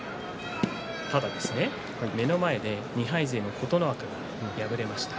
ただ目の前で２敗勢の琴ノ若が敗れました。